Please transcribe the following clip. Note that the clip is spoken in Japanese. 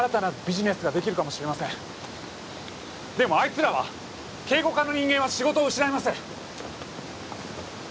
でもあいつらは警護課の人間は仕事を失います！